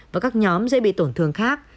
và các nhóm dễ bị tổn thương khác